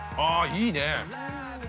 ◆いいね。